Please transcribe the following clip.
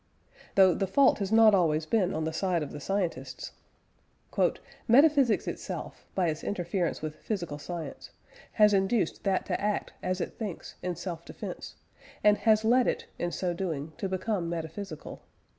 Though the fault has not always been on the side of the scientists: "Metaphysics itself, by its interference with physical science, has induced that to act, as it thinks, in self defence, and has led it, in so doing, to become metaphysical.